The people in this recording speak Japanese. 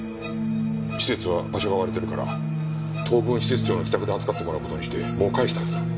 施設は場所が割れてるから当分施設長の自宅で預かってもらう事にしてもう帰したはずだ。